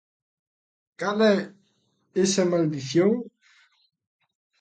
Cal é esa maldición?